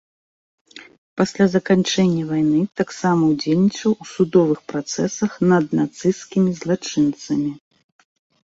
Пасля заканчэння вайны таксама ўдзельнічаў у судовых працэсах над нацысцкімі злачынцамі.